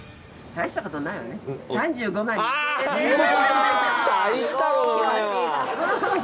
大したことないわ。